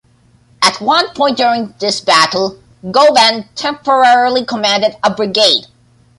At one point during this battle Govan temporarily commanded a brigade.